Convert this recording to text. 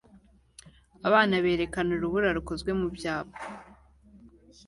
Abana berekana urubura rukozwe mu byapa